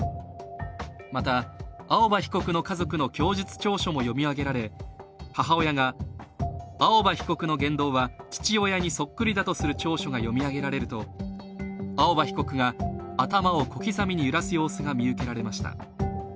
また、青葉被告の家族の供述調書も読み上げられ、母親が青葉被告の言動は父親にそっくりだとする調書が読み上げられると青葉被告が頭を小刻みに揺らす様子も見受けられました。